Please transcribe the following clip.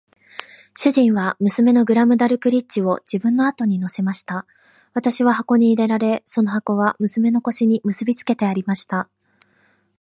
主人は娘のグラムダルクリッチを自分の後に乗せました。私は箱に入れられ、その箱は娘の腰に結びつけてありました。